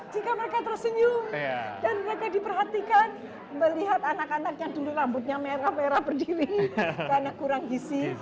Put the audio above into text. jika mereka tersenyum dan mereka diperhatikan melihat anak anak yang dulu rambutnya merah merah berdiri karena kurang gisi